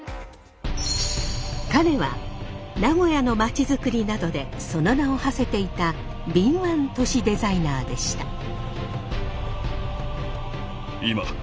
彼は名古屋のまちづくりなどでその名をはせていた敏腕都市デザイナーでした。